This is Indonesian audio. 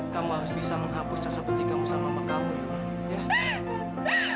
kamu harus bisa menghabis rasa benci kamu sama mama kamu ya